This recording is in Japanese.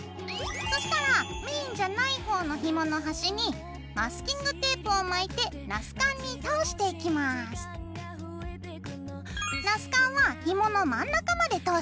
そしたらメインじゃない方のひもの端にマスキングテープを巻いてナスカンはひもの真ん中まで通すよ。